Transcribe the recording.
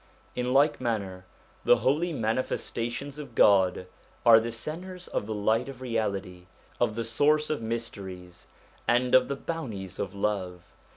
In like manner, the Holy Manifestations of God are the centres of the light of Reality, of the source of Mysteries, and of the bounties of Love.